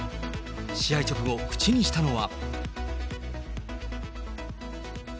試合直後、口にしたのは。